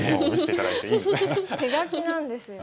手書きなんですね。